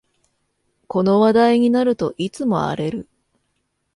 この話題になるといつも荒れる